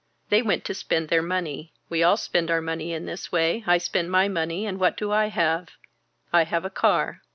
They went to spend their money. We all spend our money in this way I spend my money and what do I have. I have a car.